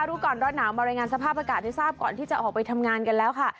รู้ก่อนร้อนหนาวมารายงานสภาพอากาศให้ทราบก่อนที่จะออกไปทำงานกันแล้วค่ะ